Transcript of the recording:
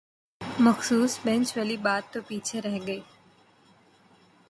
مخصوص بینچ والی بات تو پیچھے رہ گئی